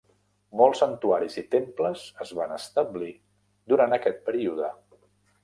Molts santuaris i temples es van establir durant aquest període.